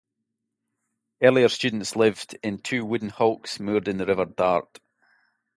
Earlier students lived in two wooden hulks moored in the River Dart.